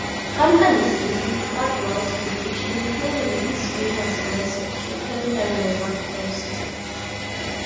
Companies based in Fort Walton Beach include Lee's Famous Recipe Chicken and ResortQuest.